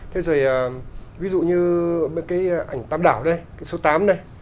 thế rồi ví dụ như cái ảnh tam đảo đây cái số tám này